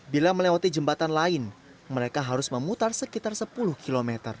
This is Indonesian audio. bila melewati jembatan lain mereka harus memutar sekitar sepuluh km